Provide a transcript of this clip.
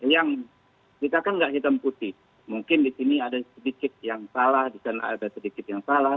yang kita kan tidak hitam putih mungkin di sini ada sedikit yang salah di sana ada sedikit yang salah